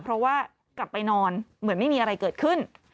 เพราะว่ากลับไปนอนเหมือนไม่มีอะไรเกิดขึ้น